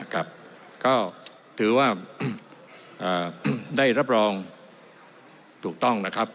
ก็ถือว่าได้รับรองถูกต้องนะครับ